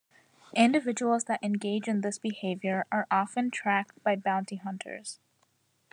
Individuals that engage in this behavior are often tracked by bounty hunters.